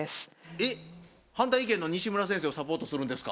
えっ反対意見の西村先生をサポートするんですか？